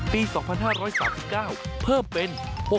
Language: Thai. ปี๒๕๓๙เพิ่มเป็น๖๐